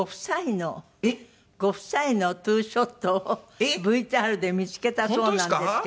えっ？ご夫妻のツーショットをＶＴＲで見付けたそうなんですけど。